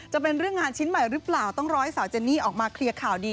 เป็นเรื่องงานชิ้นใหม่หรือเปล่าต้องรอให้สาวเจนนี่ออกมาเคลียร์ข่าวดี